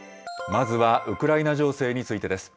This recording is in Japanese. まずはウクライナ情勢についてです。